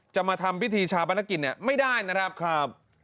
จะมาทำวิธีชาวบ้านกินไม่ได้นะครับ